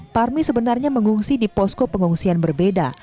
parmi sebenarnya mengungsi di posko pengungsian berbeda